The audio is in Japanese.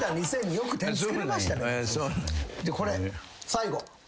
これ最後。